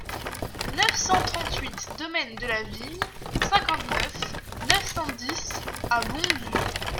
neuf cent trente-huit domaine de la Vigne, cinquante-neuf, neuf cent dix à Bondues